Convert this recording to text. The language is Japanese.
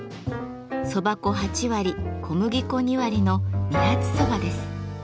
蕎麦粉８割小麦粉２割の「二八蕎麦」です。